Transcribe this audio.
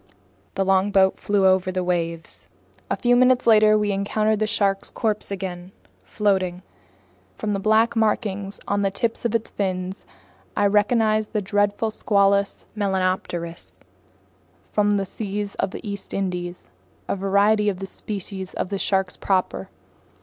The longboat flew over the waves. A few minutes later we encountered the shark's corpse again, floating. From the black markings on the tips of its fins, I recognized the dreadful Squalus melanopterus from the seas of the East Indies, a variety in the species of sharks proper.